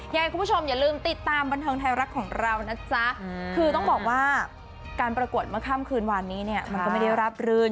ยังไงคุณผู้ชมอย่าลืมติดตามบันเทิงไทยรัฐของเรานะจ๊ะคือต้องบอกว่าการประกวดเมื่อค่ำคืนวานนี้เนี่ยมันก็ไม่ได้ราบรื่น